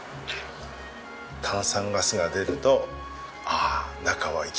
炭酸ガスが出るとああ中は生きてるぞと。